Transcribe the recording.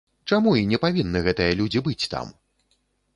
Чаму і не павінны гэтыя людзі быць там?